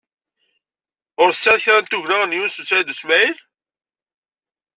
Ur tesɛiḍ kra n tugna n Yunes u Saɛid u Smaɛil?